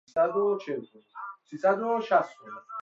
بینایی شناس